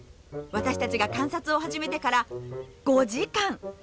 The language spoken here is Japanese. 私たちが観察を始めてから５時間！